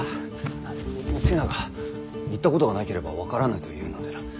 瀬名が行ったことがなければ分からぬと言うのでな。